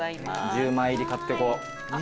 １０枚入り買ってこう。